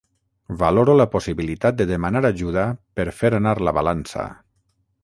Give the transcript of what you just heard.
Valoro la possibilitat de demanar ajuda per fer anar la balança.